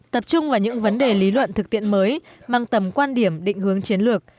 tập trung vào những vấn đề lý luận thực tiễn mới mang tầm quan điểm định hướng chiến lược